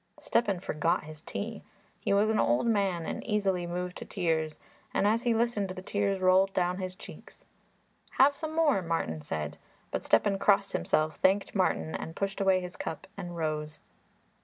'" Stepan forgot his tea. He was an old man and easily moved to tears; and as he listened the tears rolled down his cheeks. "Have some more," Martin said, but Stepan crossed himself, thanked Martin, pushed away his cup and rose.